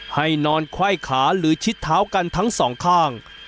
ให้นอนไขว้ขาหรือชิดเท้ากันทั้งสองข้าง